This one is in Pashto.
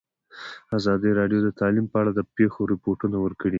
ازادي راډیو د تعلیم په اړه د پېښو رپوټونه ورکړي.